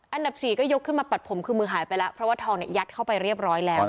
อันดับ๔ก็ยกขึ้นมาปัดผมคือมือหายไปแล้วเพราะว่าทองเนี่ยยัดเข้าไปเรียบร้อยแล้ว